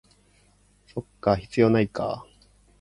そっか、必要ないか